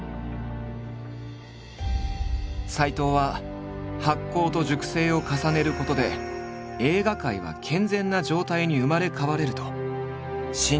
斎藤は発酵と熟成を重ねることで映画界は健全な状態に生まれ変われると信じている。